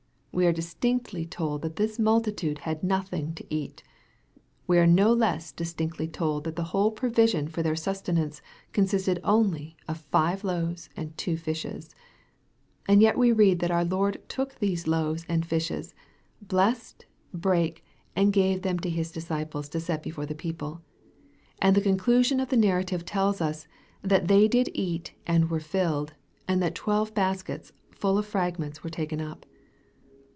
We are distinctly told that this multitude had nothing to eat. We are no less distinctly told that the whole provision for their sustenance consisted of only five loaves and two fishes. And yet we read that our Lord took these loaves and fishes, blessed, brake, and gave them to His disciples to set before the people. And the conclusion of the narrative tells us, that " they did eat, and were filled," and that "twelve baskets full of fragments" were taken up.